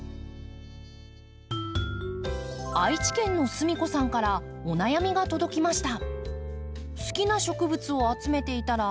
愛知県のすみこさんからお悩みが届きました。